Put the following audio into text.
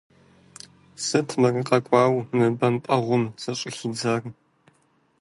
Сыт мыр къакӀуэу мы бэмпӀэгъуэм сыщӀыхидзар?